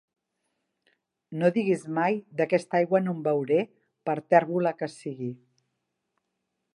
No diguis mai d'aquesta aigua no en beuré, per tèrbola que sigui.